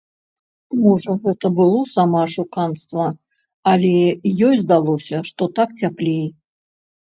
Можа гэта было самаашуканства, але ёй здалося, што так цяплей.